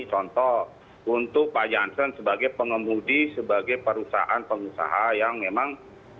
contoh untuk pak jansen sebagai pengemudi sebagai perusahaan pengusaha yang memang